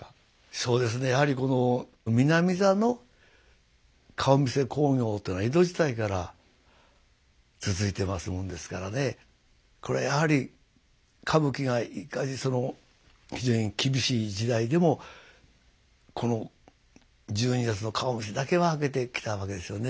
そうですねやはりこの南座の顔見世興行というのは江戸時代から続いてますもんですからねこれはやはり歌舞伎がいかにその非常に厳しい時代でもこの１２月の顔見世だけは開けてきたわけですよね。